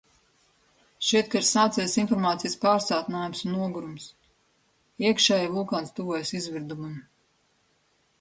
Šķiet, ka ir sācies informācijas pārsātinājums un nogurums... iekšēji vulkāns tuvojas izvirdumam...